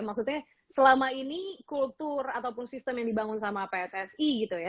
maksudnya selama ini kultur ataupun sistem yang dibangun sama pssi gitu ya